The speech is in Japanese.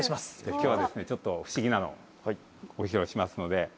今日はちょっと不思議なのご披露しますので。